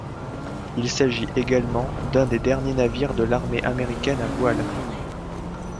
Il s'agit également d'un des derniers navires de l'armée américaine à voiles.